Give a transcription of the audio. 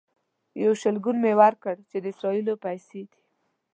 یو شلګون مې ورکړ چې د اسرائیلو پیسې دي.